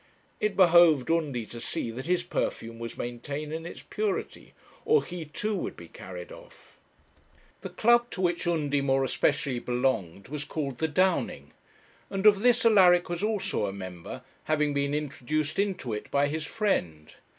It behoved Undy to see that his perfume was maintained in its purity, or he, too, would be carried off. The club to which Undy more especially belonged was called the Downing; and of this Alaric was also a member, having been introduced into it by his friend.